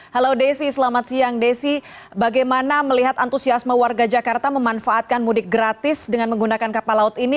halo desi selamat siang desi bagaimana melihat antusiasme warga jakarta memanfaatkan mudik gratis dengan menggunakan kapal laut ini